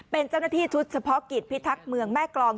เป็นเจ้าหน้าที่ชุดเฉพาะกิจพิทักษ์เมืองแม่กรอง